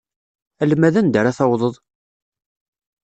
Alma d anda ara tawḍeḍ?